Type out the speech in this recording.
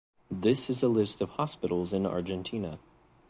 This is a list of hospitals in Argentina.